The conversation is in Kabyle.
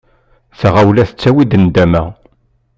Taɣawla tettawi-d nndama.